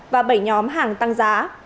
và bảy nhóm hàng tăng giá